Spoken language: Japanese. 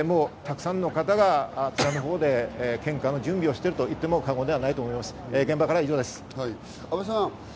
すでにたくさんの方がこちらのほうで献花の準備をしているといっても過言ではありません。